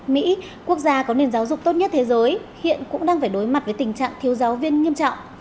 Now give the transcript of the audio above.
mỹ quốc gia có nền giáo dục tốt nhất thế giới hiện cũng đang phải đối mặt với tình trạng thiếu giáo viên nghiêm trọng